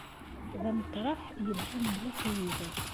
D ameṭreḥ yelhan mliḥ i yiḍes.